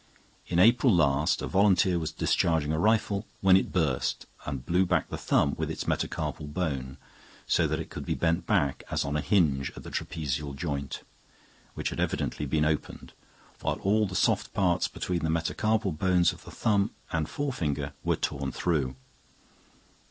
In April last, a volunteer was discharging a rifle when it burst, and blew back the thumb with its metacarpal bone, so that it could be bent back as on a hinge at the trapezial joint, which had evidently been opened, while all the soft parts between the metacarpal bones of the thumb and forefinger were torn through.